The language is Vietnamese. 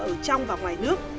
ở trong và ngoài nước